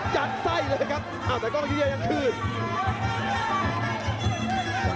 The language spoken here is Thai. จัดไส้เลยครับอ้าวแต่กองยุยายังคืน